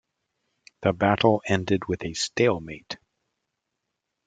The battle ended with a stalemate.